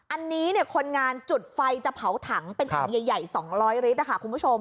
อันนี้คนงานจุดไฟจะเผาถังเป็นถังใหญ่๒๐๐ลิตรนะคะคุณผู้ชม